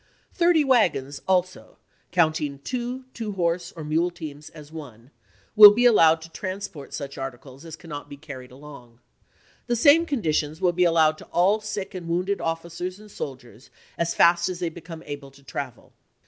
Thirty wagons also, counting two two horse or mule teams as one, will be allowed to transport such articles as cannot be carried along. The same conditions will be allowed to all sick and wounded officers and soldiers as fast as they w. r. become able to travel.